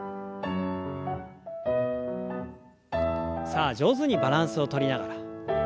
さあ上手にバランスをとりながら。